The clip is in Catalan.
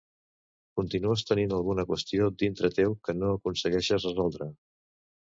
Continues tenint alguna qüestió dintre teu que no aconsegueixes resoldre